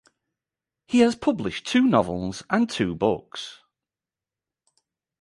He has published two novels and two books.